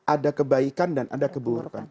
ada kebaikan dan ada keburukan